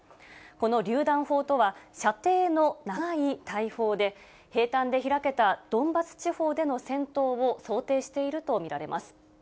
このりゅう弾砲とは、射程の長い大砲で、平たんで開けたドンバス地方での戦闘を想定していると見られます。